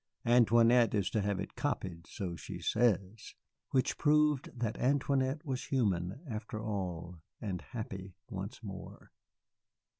Antoinette is to have it copied, so she says." Which proved that Antoinette was human, after all, and happy once more.